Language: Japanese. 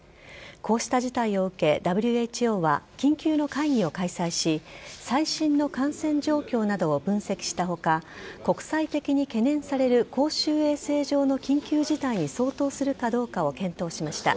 こうした事態を受けＷＨＯは緊急の会議を開催し最新の感染状況などを分析した他国際的に懸念される公衆衛生上の緊急事態に相当するかどうかを検討しました。